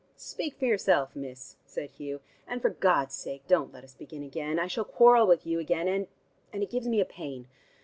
"Speak for yourself, miss," said Hugh. "And for God's sake don't let us begin again. I shall quarrel with you again, and and it gives me a pain.